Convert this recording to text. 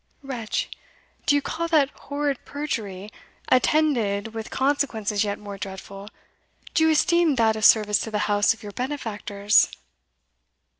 "Wretch! do you call that horrid perjury, attended with consequences yet more dreadful do you esteem that a service to the house of your benefactors?"